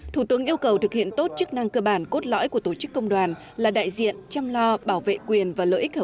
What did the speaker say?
thủ tướng yêu cầu thực hiện tốt chức năng cơ bản cốt lõi của tổ chức công đoàn là đại diện chăm lo bảo vệ quyền và lợi ích hợp pháp